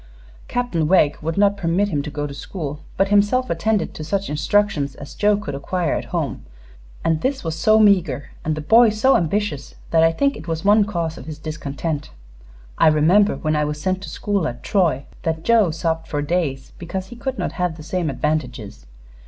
Captain Wegg would not permit him to go to school, but himself attended to such instructions as Joe could acquire at home, and this was so meager and the boy so ambitious that I think it was one cause of his discontent. I remember, when I was sent to school at Troy, that Joe sobbed for days because he could not have the same advantages.